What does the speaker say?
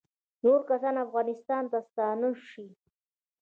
نور کسان افغانستان ته ستانه شي